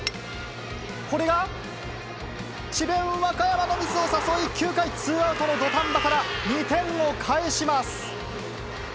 これが智弁和歌山のミスを誘い、９回ツーアウトの土壇場から２点を返します。